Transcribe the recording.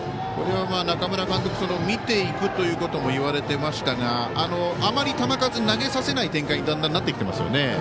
中村監督は見ていくということも言われていましたがあまり球数を投げさせない展開にだんだんなってきていますね。